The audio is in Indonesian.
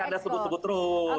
anda sebut sebut terus